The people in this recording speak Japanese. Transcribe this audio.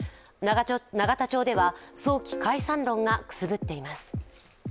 永田町では早期解散論がくすぶっています。